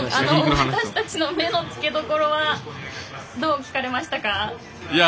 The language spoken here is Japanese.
私たちの目の付けどころはどう聞かれましたか？